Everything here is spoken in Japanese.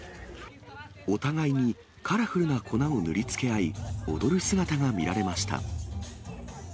お互いにカラフルな粉を塗り付け合い、踊る姿が見られました。